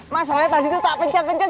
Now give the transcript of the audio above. masalahnya tadi tuh tak pencet pencet